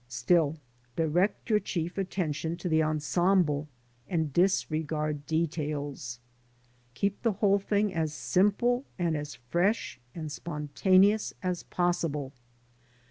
Still direct your chief attention to the ensemble, and disregard details. Kee]^thQ.^!?hoLe thing as simple and as fresh and spontaneous as possible